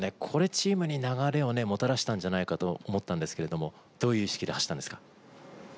これ、チームに流れをもたらしたんじゃないかと思ったんですけれども、どういう意識で走ったんですか。